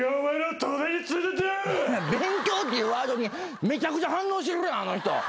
「勉強」っていうワードにめちゃくちゃ反応してるやん！